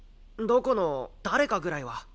どこの誰かぐらいは。